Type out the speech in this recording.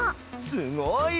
すごい！